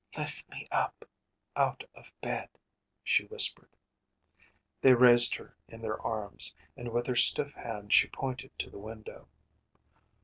“Lift me up out of bed,‚ÄĚ she whispered. They raised her in their arms, and with her stiff hand she pointed to the window.